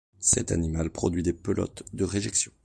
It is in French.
Cet animal produit des pelotes de réjection.